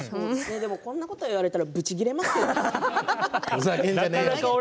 こんなことを言われたらぶちギレますよね。